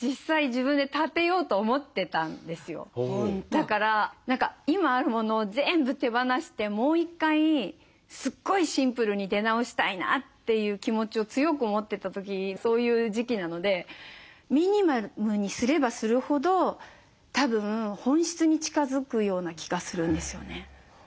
だから今あるものを全部手放してもう１回すごいシンプルに出直したいなという気持ちを強く持ってた時そういう時期なのでミニマムにすればするほどたぶん本質に近づくような気がするんですよね。